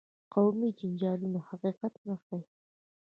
قومي جنجالونه حقیقت نه ښيي.